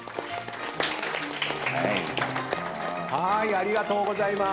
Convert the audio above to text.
ありがとうございます。